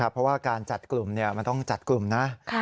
เพราะว่าการจัดกลุ่มมันต้องจัดกลุ่มนะ